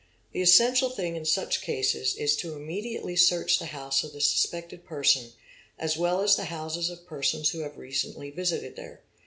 The essential thing in such cases is to immediately search the house of the suspected person as well as the houses of persons who have recently visited there.